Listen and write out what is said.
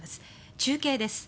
中継です。